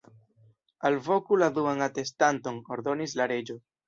"Alvoku la duan atestanton," ordonis la Reĝo.